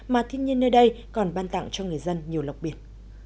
mà thiên nhiên nơi đây còn ban tặng cho người dân nhiều lọc biển